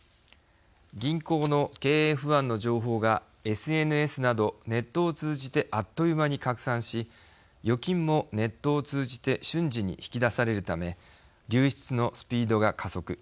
銀行の経営不安の情報がＳＮＳなどネットを通じてあっという間に拡散し預金もネットを通じて瞬時に引き出されるため流出のスピードが加速。